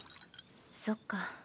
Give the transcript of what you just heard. そっか。